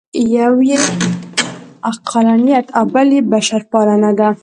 یو یې عقلانیت او بل یې بشرپالنه ده.